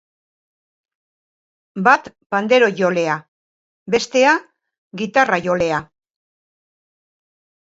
Bat panderojolea, bestea gitarrajolea.